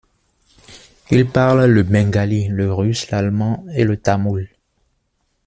Il parle le bengali, le russe, l'allemand et le tamoul.